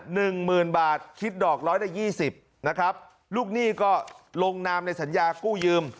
หนึ่งหมื่นบาทคิดดอกร้อยละยี่สิบนะครับลูกหนี้ก็ลงนามในสัญญากู้ยืม